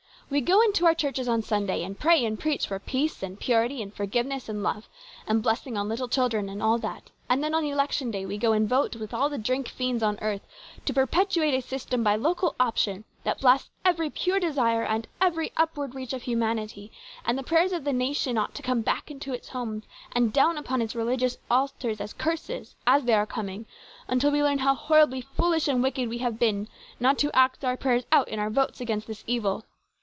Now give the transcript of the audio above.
" We go into COMPLICATIONS. 205 our churches on Sunday and pray and preach for peace and purity and forgiveness and love, and blessing on little children and all that, and then on election day we go and vote with all the drink fiends on earth to perpetuate a system by local option that blasts every pure desire and every upward reach of humanity, and the prayers of the nation ought to come back into its homes and down upon its religious altars as curses, as they are coming, until we learn how horribly foolish and wicked we have been not to act our prayers out in our votes against this evil.